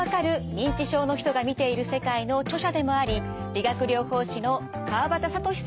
認知症の人が見ている世界」の著者でもあり理学療法士の川畑智さんに伺います。